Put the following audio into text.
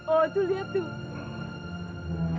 oh tuh lihat tuh